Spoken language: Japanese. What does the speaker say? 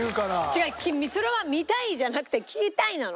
違うそれは見たいじゃなくて聴きたいなの。